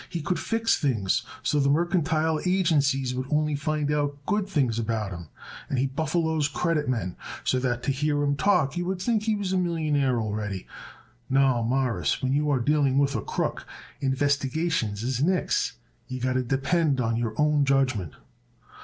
He could fix things so the merchantile agencies would only find out good things about him, and he buffaloes credit men so that to hear 'em talk you would think he was a millionaire already. No, Mawruss, when you are dealing with a crook, investigations is nix. You got to depend on your own judgment."